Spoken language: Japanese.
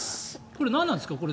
これ何なんですか？